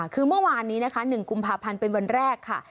คือเมื่อวานนี้นะคะ๑กุมภาพันธ์เป็นวันแรกค่ะ